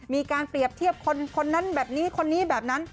มีการเปรียบเทียบคนนั้นแบบนี้คนนี้แบบนั้น